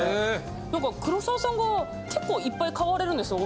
なんか黒沢さんが結構いっぱい買われるんですよ。